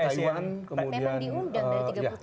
memang diundang dari tiga bukit negara lain kan